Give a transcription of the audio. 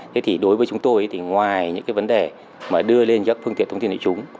thế thì đối với chúng tôi thì ngoài những cái vấn đề mà đưa lên các phương tiện thông tin đại chúng